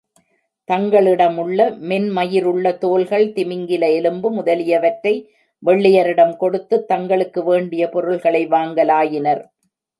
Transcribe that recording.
தங்களிடமுள்ள மென்மயிருள்ள தோல்கள், திமிங்கில எலும்பு முதலியவற்றை வெள்ளையரிடம் கொடுத்துத் தங்களுக்கு வேண்டிய பொருள்களை வாங்கலாயினர்.